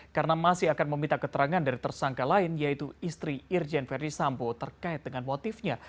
karena masih akan meminta keterangan dari tersangka lain yaitu istri irjen ferdisambo terkait dengan motifnya